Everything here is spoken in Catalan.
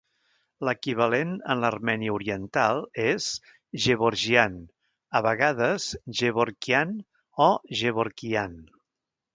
L'equivalent en l'armeni oriental és Gevorgyan, a vegades Gevorkyan o Gevorkian.